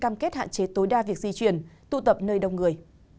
cam kết hạn chế tối đa việc di chuyển tụ tập nơi đông người